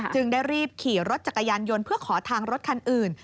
จึงได้รีบขี่รถจักรยานยนต์เพื่อขอทางรถคันอื่น